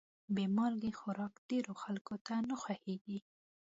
بې مالګې خوراک ډېرو خلکو ته نه خوښېږي.